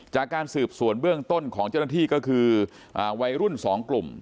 จากการสืบสวนเบื้องต้นของเจ้าหน้าที่ก็คือวัยรุ่น๒กลุ่ม